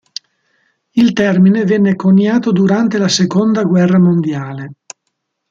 Il termine venne coniato durante la seconda guerra mondiale.